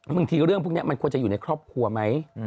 บางที่เรื่องพวกเนี่ยมันกอลจะอยู่ในครอบครัวไหม